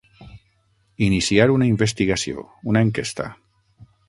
Iniciar una investigació, una enquesta.